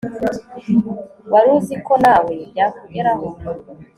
waruzi ko nawe byakugeraho